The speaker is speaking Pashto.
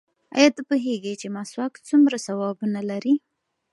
ایا ته پوهېږې چې مسواک څومره ثوابونه لري؟